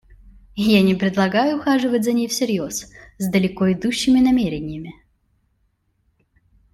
Я не предлагаю ухаживать за ней всерьез с далеко идущими намерениями.